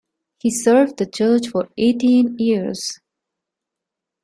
He served the church for eighteen years.